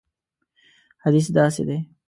حدیث داسې دی.